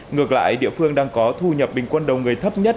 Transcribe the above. ngược lại địa phương đang có thu nhập bình quân đầu người thấp nhất